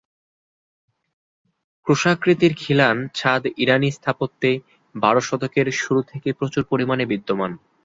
ক্রুশাকৃতির খিলান ছাদ ইরানি স্থাপত্যে বারো শতকের শুরু থেকে প্রচুর পরিমাণে বিদ্যমান।